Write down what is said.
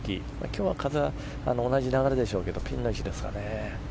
今日は風は同じ流れでしょうけどピンの位置ですかね。